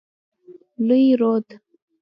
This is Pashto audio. لوی رود.